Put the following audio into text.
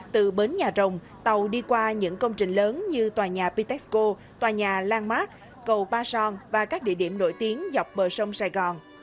từ bến nhà rồng tàu đi qua những công trình lớn như tòa nhà pitexco tòa nhà lan mát cầu ba son và các địa điểm nổi tiếng dọc bờ sông sài gòn